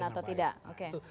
jalan atau tidak oke